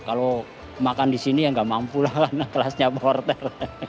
kalau makan di sini ya nggak mampu lah karena kelasnya porter